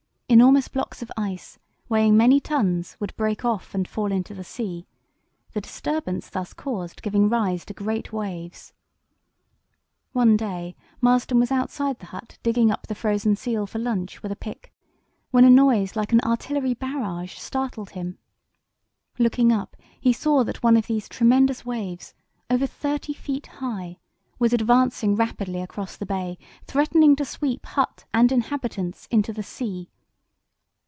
Enormous blocks of ice weighing many tons would break off and fall into the sea, the disturbance thus caused giving rise to great waves. One day Marston was outside the hut digging up the frozen seal for lunch with a pick, when a noise "like an artillery barrage" startled him. Looking up he saw that one of these tremendous waves, over thirty feet high, was advancing rapidly across the bay, threatening to sweep hut and inhabitants into the sea.